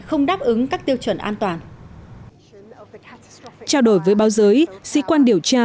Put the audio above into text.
không đáp ứng các tiêu chuẩn an toàn trao đổi với báo giới sĩ quan điều tra